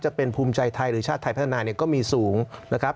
จะเป็นภูมิใจไทยหรือชาติไทยพัฒนาเนี่ยก็มีสูงนะครับ